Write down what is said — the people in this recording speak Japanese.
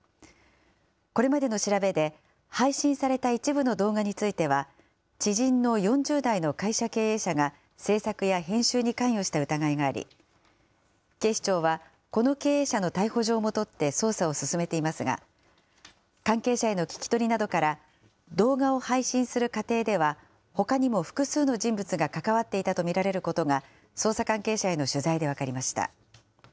これまでの調べで、配信された一部の動画については、知人の４０代の会社経営者が、制作や編集に関与した疑いがあり、警視庁は、この経営者の逮捕状も取って、捜査を進めていますが、関係者への聞き取りなどから、動画を配信する過程ではほかにも複数の人物が関わっていたと見られることが、捜査関係者への取材で分かりました。